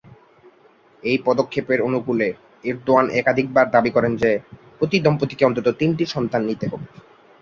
এই পদক্ষেপের অনুকূলে, এরদোয়ান একাধিকবার দাবি করেন যে, প্রতি দম্পতিকে অন্তত তিনটি সন্তান নিতে হবে।